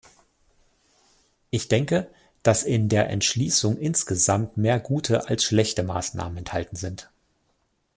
Ich denke, dass in der Entschließung insgesamt mehr gute als schlechte Maßnahmen enthalten sind.